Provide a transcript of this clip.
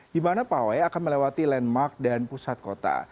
di mana pawai akan melewati landmark dan pusat kota